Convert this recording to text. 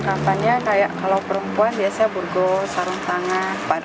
kalau perempuan biasanya burgo sarung tangan